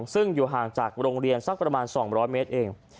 ซึ่งอยู่ห่างจากโรงเรียนสักประมาณ๒๐๐เมตรเอง